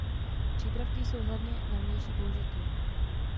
Přípravky jsou hlavně na vnější použití.